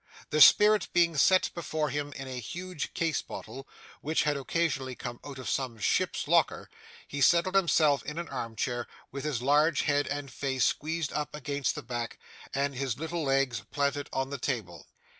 The spirit being set before him in a huge case bottle, which had originally come out of some ship's locker, he settled himself in an arm chair with his large head and face squeezed up against the back, and his little legs planted on the table.